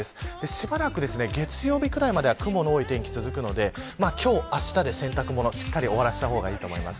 しばらく月曜日くらいまでは雲の多い天気が続くので今日、あしたで、洗濯物をしっかり終わらせた方がいいと思います。